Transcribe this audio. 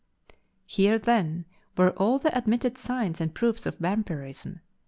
Here then, were all the admitted signs and proofs of vampirism.